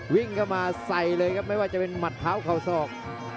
วิ่งกลับมาใส่เลยครับไม่ว่าจะเป็นหมัดเผาเข้าส่อง